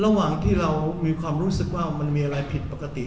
ระหว่างที่เรามีความรู้สึกว่ามันมีอะไรผิดปกติ